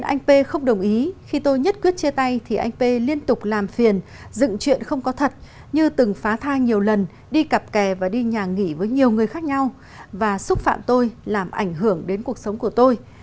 anh p không đồng ý khi tôi nhất quyết chia tay thì anh p liên tục làm phiền dựng chuyện không có thật như từng phá thai nhiều lần đi cặp kè và đi nhà nghỉ với nhiều người khác nhau và xúc phạm tôi làm ảnh hưởng đến cuộc sống của tôi